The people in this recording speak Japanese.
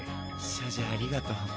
障子ありがとう。